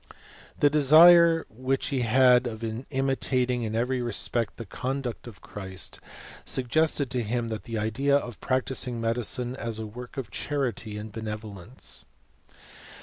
<;. The desire which he had of imitating in every respect the conduct of Christ, suggested ttojiim^tlie idea of practising medicine as a work of charity and benevolence.